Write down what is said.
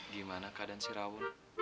gimana keadaan si rawul